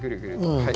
はい